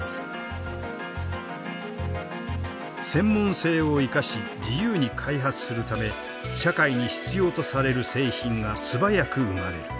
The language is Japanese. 専門性を生かし自由に開発するため社会に必要とされる製品が素早く生まれる。